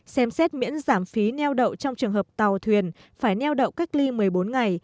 xem xét miễn giảm phí neo đậu trong trường hợp tàu thuyền phải neo đậu cách ly một mươi bốn ngày